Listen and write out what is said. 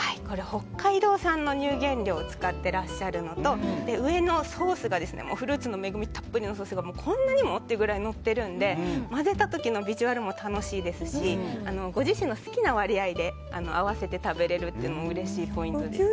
北海道産の乳原料を使ってらっしゃるのとフルーツの恵みたっぷりのソースがこんなにも？っていうぐらいのってるので混ぜた時のビジュアルも楽しいですしご自身の好きな割合で合わせて食べれるというのもうれしいポイントです。